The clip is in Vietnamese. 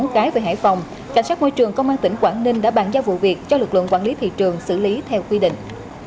cảnh sát môi trường công an tỉnh quảng ninh đã bàn giao vụ việc cho lực lượng quản lý thị trường xử lý theo quy định